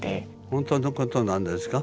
本当のことなんですか？